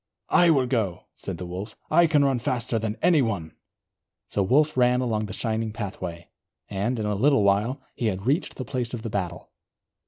"I will go," said the Wolf. "I can run faster than anyone." So Wolf ran along the shining pathway, and in a little while he had reached the place of the battle.